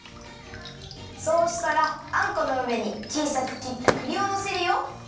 そうしたらあんこのうえにちいさくきったくりをのせるよ。